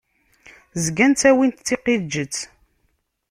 Zgan ttawin-t d tiqiǧet.